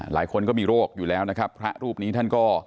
หลายคนก็มีโรคอยู่แล้วนะครับพระรูปนี้ท่านก็